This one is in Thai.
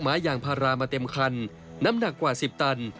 แม้ยางพรามาเป็นคนน้ำหนักกว่าสิบตัน